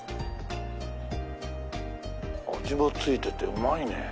味も付いててうまいね。